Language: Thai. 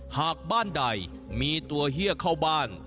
หากบ้านใดมีตัวเฮียเข้าบ้าน